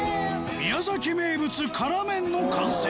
宮崎名物辛麺の完成